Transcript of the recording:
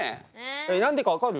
えっ何でか分かる？